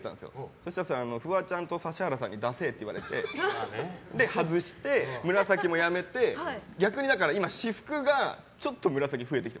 そうしたらフワちゃんと指原さんにだせえって言われて、外して紫もやめて、逆に私服がちょっと紫増えてきた。